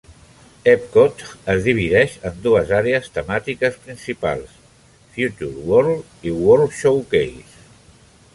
Epcot es divideix en dues àrees temàtiques principals: Future World i World Showcase.